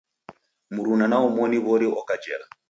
Mruna na omoni w'ori oka jela.